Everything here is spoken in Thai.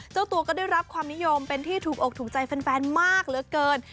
เจ้าตัวก็ได้รับความนิยมเป็นที่ถูกอกถูกใจแฟนมากเหลือเกิน